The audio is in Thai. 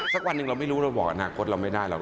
วันหนึ่งเราไม่รู้เราบอกอนาคตเราไม่ได้หรอก